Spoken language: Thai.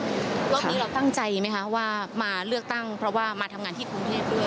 รอบนี้เราตั้งใจไหมคะว่ามาเลือกตั้งเพราะว่ามาทำงานที่กรุงเทพด้วย